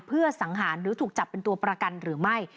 เพื่อสังหารหรือถูกจับเป็นตัวประกันหรือไม่